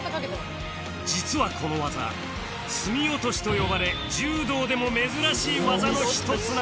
実はこの技隅落と呼ばれ柔道でも珍しい技の一つなんです